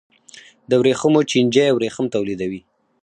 د ورېښمو چینجی ورېښم تولیدوي